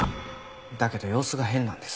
だけど様子が変なんです。